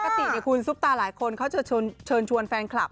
ปกติคุณซุปตาหลายคนเขาจะเชิญชวนแฟนคลับ